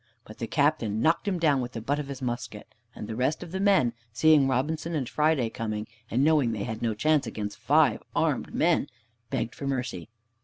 But the Captain knocked him down with the butt of his musket, and the rest of the men, seeing Robinson and Friday coming, and knowing they had no chance against five armed men, begged for mercy.